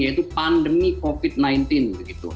yaitu pandemi covid sembilan belas